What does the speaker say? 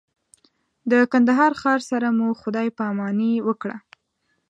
د کندهار ښار سره مو خدای پاماني وکړه.